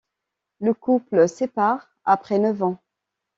Le couple sépare après neuf ans.